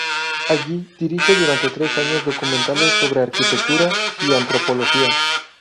Allí dirige durante tres años documentales sobre arquitectura y antropología.